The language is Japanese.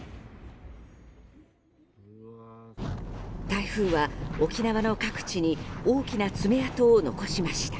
台風は沖縄の各地に大きな爪痕を残しました。